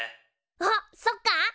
おっそっか？